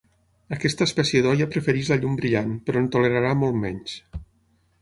Aquesta espècie d'"Hoya" prefereix la llum brillant, però en tolerarà molt menys.